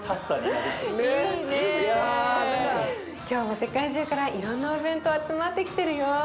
今日も世界中からいろんなお弁当集まってきてるよ。